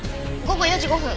午後４時５分。